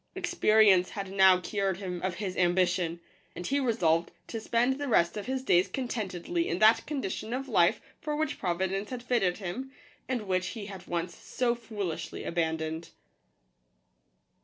Experience had now cured him of his ambition ; and he resolved to spend the rest of his days contentedly in that condition of life for which Providence had fitted him, and which he had once so foolishly abandoned.